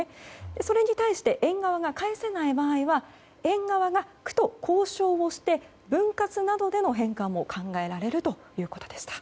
それに対して園側が返せない場合は園側が区と交渉をして分割などでの返還も考えられるということでした。